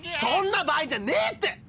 そんな場合じゃねえって。